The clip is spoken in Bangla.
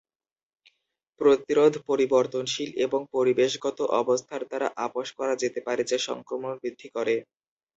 প্রতিরোধ পরিবর্তনশীল এবং পরিবেশগত অবস্থার দ্বারা আপোস করা যেতে পারে যা সংক্রমণ বৃদ্ধি করে।